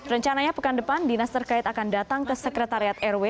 rencananya pekan depan dinas terkait akan datang ke sekretariat rw